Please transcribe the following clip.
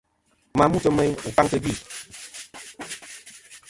Ma mutɨ meyn wù faŋ tɨ̀ gvì.